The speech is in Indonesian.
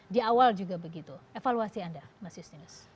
di awal juga begitu evaluasi anda mas justinus